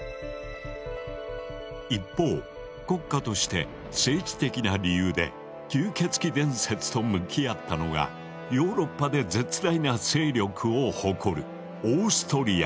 一方国家として政治的な理由で吸血鬼伝説と向き合ったのがヨーロッパで絶大な勢力を誇るオーストリアだ。